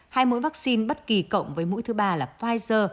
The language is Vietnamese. hai mũi vaccine bất kỳ cộng với mũi thứ ba là pfizer